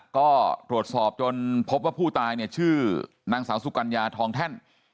ก็ตรวจสอบจนพบว่าผู้ตายเนี่ยชื่อนางสาวสุกัญญาทองแท่น